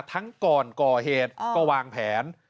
ทั้งก่อนก่อเหตุก็วางแผน